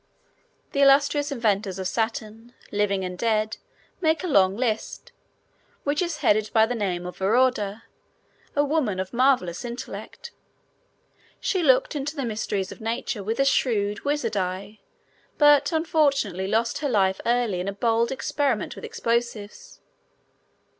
The illustrious inventors of Saturn, living and dead, make a long list, which is headed by the name of Veorda, a woman of marvelous intellect. She looked into the mysteries of nature with a shrewd, wizard eye, but, unfortunately, lost her life early in a bold experiment with explosives.